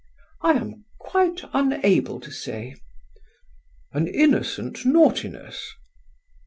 "I am quite unable to say." "An innocent naughtiness?"